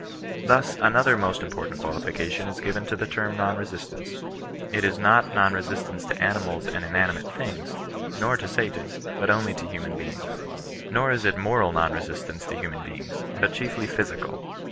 Thus another most important qualification is given to the term non resistance. It is not non resistance to animals and inanimate things, nor to satan, but only to human beings. Nor is it mor<d non resistance to hu man beings, but chiefly physical.